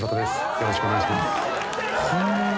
よろしくお願いします